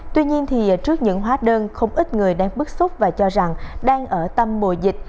tuy nhiên trước những hóa đơn không ít người đang bức xúc và cho rằng đang ở tâm mùa dịch